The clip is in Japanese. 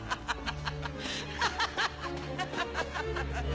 ハハハハハ！